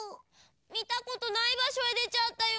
みたことないばしょへでちゃったよ。